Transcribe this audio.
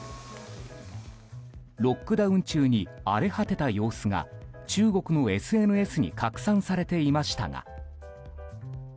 ロックダウン中に荒れ果てた様子が中国のＳＮＳに拡散されていましたが。